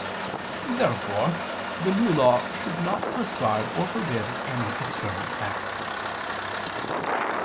Therefore the New Law should not prescribe or forbid any external acts.